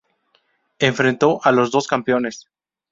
Enfrentó a los dos campeones.